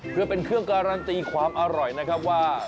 เพื่อเป็นเครื่องการันตีความอร่อยนะครับว่า